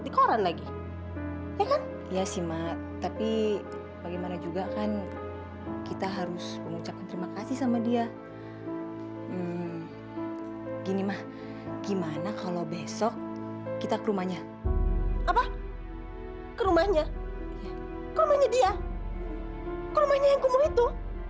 ke rumahnya dia ke rumahnya yang kamu itu